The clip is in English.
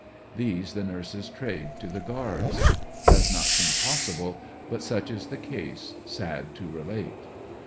These the nurses trade to the guards. Does not seem possible but such is the case, sad to relate.